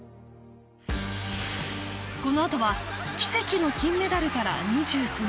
このあとは奇跡の金メダルから２９年